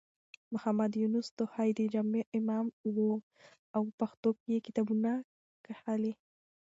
محمد يونس توخى د جامع امام و او په پښتو کې يې کتابونه کښلي.